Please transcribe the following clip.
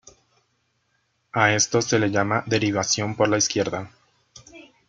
A esto se le llama derivación por la izquierda.